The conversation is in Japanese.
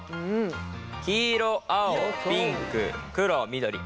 黄色青ピンク黒緑赤。